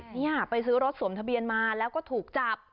เนี่ยไปซื้อรถสวมทะเบียนมาแล้วก็ถูกจับ